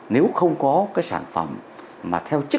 nếu không có sản phẩm mà theo chức